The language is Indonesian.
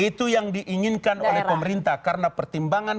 itu yang diinginkan oleh pemerintah karena pertimbangan